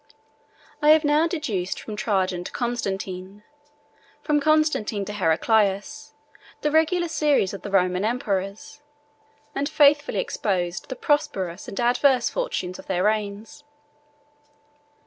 I have now deduced from Trajan to Constantine, from Constantine to Heraclius, the regular series of the Roman emperors; and faithfully exposed the prosperous and adverse fortunes of their reigns.